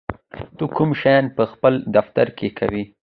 ته کوم شیان په خپل دفتر کې کوې؟